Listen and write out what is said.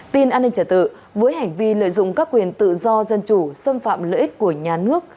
tin an ninh trả tự với hành vi lợi dụng các quyền tự do dân chủ xâm phạm lợi ích của nhà nước